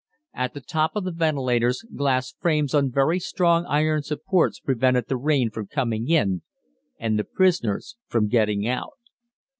At the top of the ventilators glass frames on very strong iron supports prevented the rain from coming in and the prisoners from getting out.